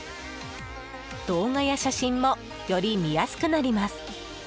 動画や写真もより見やすくなります！